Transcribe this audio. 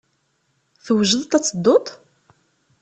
Twejdeḍ ad tedduḍ?